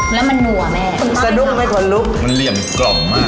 แล้วมันนัวแม่สะดุ้งไหมคนลุกมันเหลี่ยมกล่อมมาก